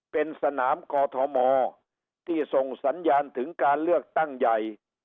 เป็นสนามกอทมที่ส่งสัญญาณถึงการเลือกตั้งใหญ่